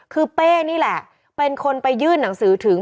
คือเป้นี่แหละเป็นคนไปยื่นหนังสือถึง